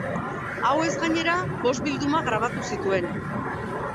Hauez gainera, bost bilduma grabatu zituen.